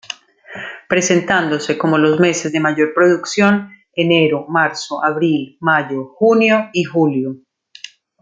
Presentándose como los meses de mayor producción enero, marzo, abril, mayo, junio y julio.